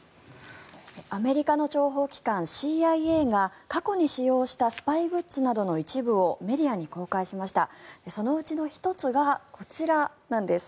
アメリカの諜報機関ＣＩＡが過去に使用したスパイグッズなどの一部をメディアに公開しました。